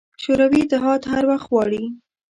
شوروي اتحاد هر وخت غواړي.